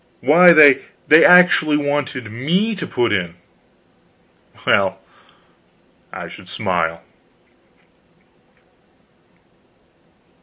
Why, they actually wanted me to put in! Well, I should smile.